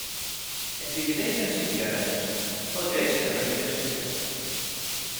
Es divideix en cinc gèneres, tots ells en perill d'extinció.